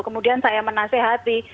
kemudian saya menasehati